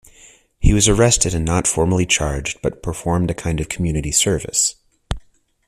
He was arrested and not formally charged, but performed a kind of community service.